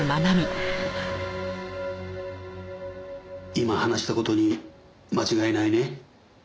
今話した事に間違いないね？